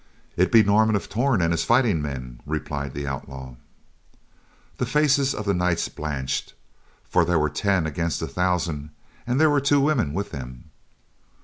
"It be Norman of Torn and his fighting men," replied the outlaw. The faces of the knights blanched, for they were ten against a thousand, and there were two women with them.